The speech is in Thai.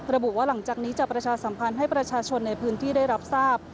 ระบุว่าหลังจากนี้จะประชาสัมพันธ์ให้ประชาชนในพื้นที่ได้รับทราบ